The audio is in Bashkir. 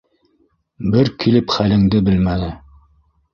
Бер килеп хәлеңде белмәне!